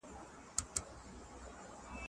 تعليم د څو سرچينو له لاري تر لاسه کېږي.